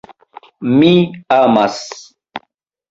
Mi amas!